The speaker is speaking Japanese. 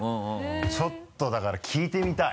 ちょっとだから聞いてみたい。